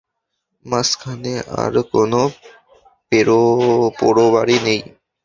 মাঝখানে আর কোনো পোড়োবাড়ি নেই।